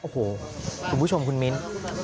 โอ้โหคุณผู้ชมคุณมิ้น